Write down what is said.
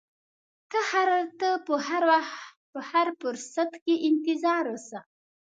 ته په هر فرصت کې انتظار اوسه.